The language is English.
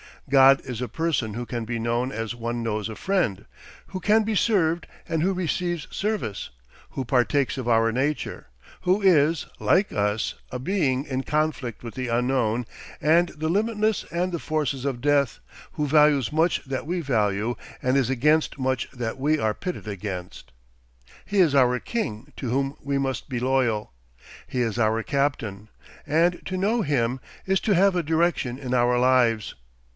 God is a person who can be known as one knows a friend, who can be served and who receives service, who partakes of our nature; who is, like us, a being in conflict with the unknown and the limitless and the forces of death; who values much that we value and is against much that we are pitted against. He is our king to whom we must be loyal; he is our captain, and to know him is to have a direction in our lives.